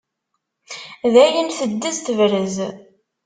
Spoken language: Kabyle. Dayen teddez tebrez.